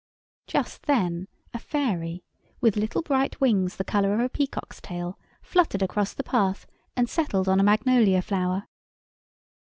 Just then a fairy, with little bright wings the colour of a peacock's tail, fluttered across the path, and settled on a magnolia flower.